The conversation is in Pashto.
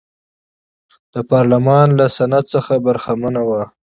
د پارلمان له سنت څخه برخمنه وه.